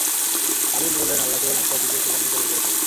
হাবীল বললেন, আল্লাহ কেবল মুত্তাকীদের কুরবানী-ই কবূল করে থাকেন।